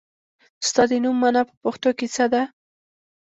ستا د نوم مانا په پښتو کې څه ده ؟